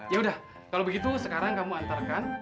ya udah kalau begitu sekarang kamu antarkan